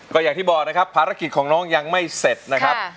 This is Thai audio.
ก็อย่างที่บอกนะครับภารกิจของน้องยังไม่เสร็จนะครับ